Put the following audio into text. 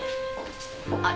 あっ。